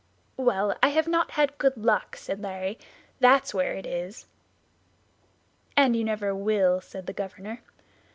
"Well, I have not had good luck," said Larry, "that's where it is." "And you never will," said the governor.